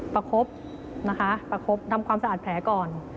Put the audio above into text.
ประคบนะคะประคบทำความสะอาดแผลก่อน